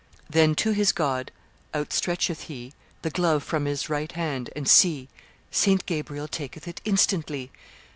Then to his God outstretcheth he The glove from his right hand; and, see! St. Gabriel taketh it instantly.